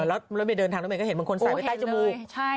แล้วรถเมย์เดินทางรถเมยก็เห็นบางคนใส่ไว้ใต้จมูก